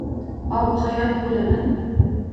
Obihayot bo’laman.